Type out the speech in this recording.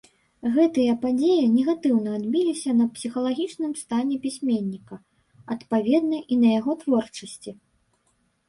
Гэтыя падзеі негатыўна адбіліся на псіхалагічным стане пісьменніка, адпаведна і на яго творчасці.